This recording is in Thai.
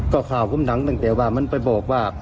ก็ข่าวผมหนังตั้งแต่ว่ามันไปบอกว่า